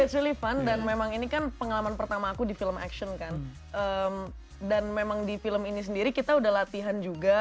it's really fun dan memang ini kan pengalaman pertama aku di film action kan dan memang di film ini sendiri kita udah latihan juga